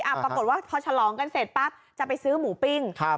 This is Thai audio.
ปรากฏว่าพอฉลองกันเสร็จปั๊บจะไปซื้อหมูปิ้งครับ